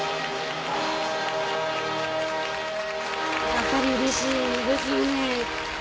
「やっぱりうれしいですね」